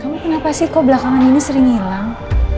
kamu kenapa sih kok belakangan ini sering hilang